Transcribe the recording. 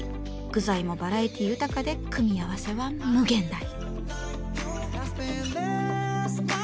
具材もバラエティー豊かで組み合わせは無限大。